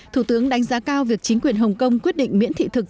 thủ tướng đánh giá cao việc chính quyền hồng kông quyết định miễn thị thực